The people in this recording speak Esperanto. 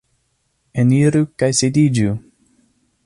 Eniru kaj sidiĝu!